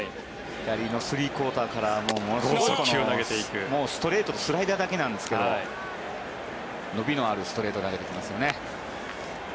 スリークオーターからものすごい剛速球を投げていくというストレートとスライダーだけなんですけど伸びのあるストレートを投げてきますね。